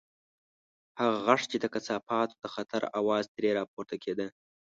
هغه غږ چې د کثافاتو د خطر اواز ترې راپورته کېده.